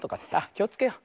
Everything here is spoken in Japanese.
きをつけよう。